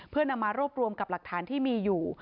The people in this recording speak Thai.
เพื่อนำมารวบรวมกับหลักฐานที่มีอยู่